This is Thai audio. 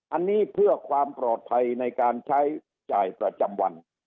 อันนี้เพื่อความปลอดภัยในการใช้จ่ายประจำวัน